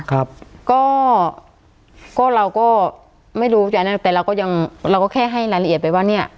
ครับก็ก็เราก็ไม่รู้จะอันนั้นแต่เราก็ยังเราก็แค่ให้รายละเอียดไปว่าเนี้ย